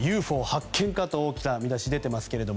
ＵＦＯ発見かと大きな見出しが出ていますが。